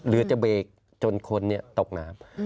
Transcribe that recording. เรือจะเบรกจนคนตกน้ำ